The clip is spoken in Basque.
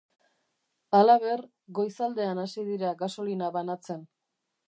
Halaber, goizaldean hasi dira gasolina banatzen.